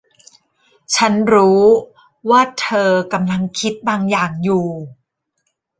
ฉันรู้ว่าเธอกำลังคิดบางอย่างอยู่